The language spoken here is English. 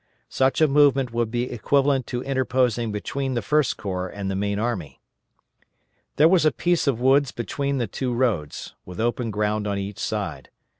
Such a movement would be equivalent to interposing between the First Corps and the main army. There was a piece of woods between the two roads, with open ground on each side.